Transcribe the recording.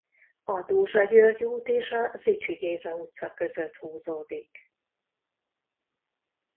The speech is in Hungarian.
A Dózsa György út és a Zichy Géza utca között húzódik.